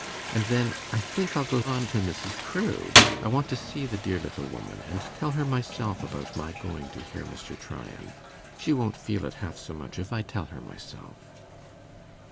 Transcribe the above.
And then, I think, I'll go on to Mrs. Crewe. I want to see the dear little woman, and tell her myself about my going to hear Mr. Tryan. She won't feel it half so much if I tell her myself.